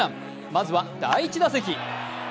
まずは第１打席。